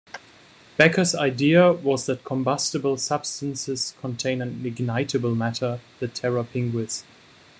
Becher's idea was that combustible substances contain an ignitable matter, the terra pinguis.